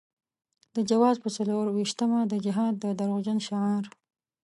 د جوزا په څلور وېشتمه د جهاد د دروغجن شعار.